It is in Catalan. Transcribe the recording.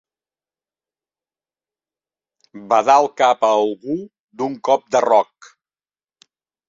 Badar el cap a algú d'un cop de roc.